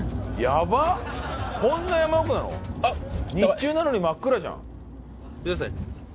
日中なのに真っ暗じゃん。